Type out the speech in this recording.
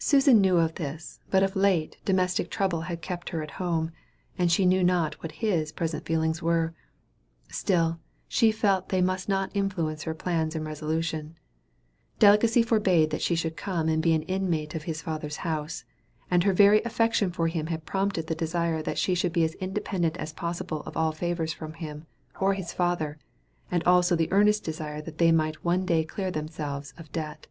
Susan knew of this; but of late, domestic trouble had kept her at home, and she knew not what his present feelings were. Still she felt that they must not influence her plans and resolutions. Delicacy forbade that she should come and be an inmate of his father's house, and her very affection for him had prompted the desire that she should be as independent as possible of all favors from him, or his father; and also the earnest desire that they might one day clear themselves of debt.